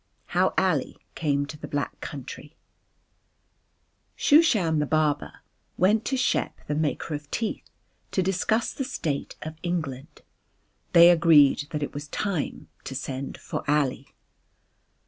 How Ali Came to the Black Country Shooshan the barber went to Shep the maker of teeth to discuss the state of England. They agreed that it was time to send for Ali.